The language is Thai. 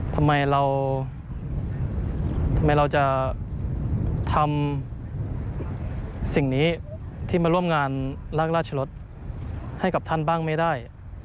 ทำไมเราทำไมเราจะทำสิ่งนี้ที่มาร่วมงานรากราชรสให้กับท่านบ้างไม่ได้